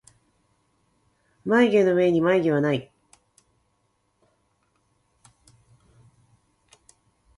まゆげのうえにはまゆげはない